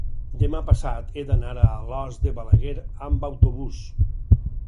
demà passat he d'anar a Alòs de Balaguer amb autobús.